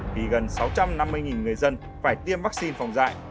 vì gần sáu trăm năm mươi người dân phải tiêm vaccine phòng dạy